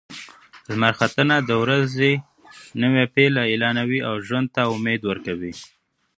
لمر ختنه د ورځې نوی پیل اعلانوي او ژوند ته امید ورکوي.